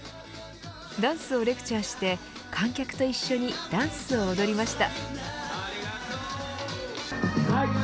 ダンスをレクチャーして観客と一緒にダンスを踊りました。